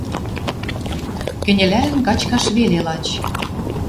Кӹньӹлӓлӹн качкаш веле лач».